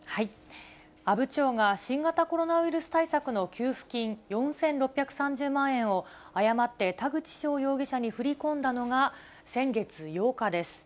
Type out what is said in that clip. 阿武町が新型コロナウイルス対策の給付金４６３０万円を誤って田口翔容疑者に振り込んだのが、先月８日です。